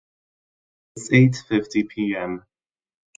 It's eight fifty PM.